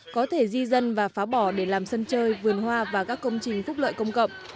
có thể di dân và phá bỏ để làm sân chơi vườn hoa và các công trình phúc lợi công cộng